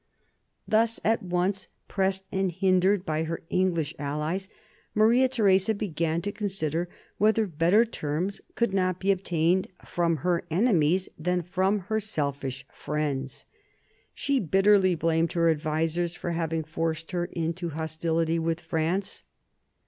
Thus, at once pressed and hindered by her English allies, Maria Theresa began to consider whether better terms could not be obtained from her enemies than from her selfish friends. She bitterly blamed her advisers for having forced her into hostility with* France.